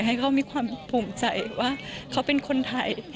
ให้เขามีความภูมิใจว่าเขาเป็นคนไทย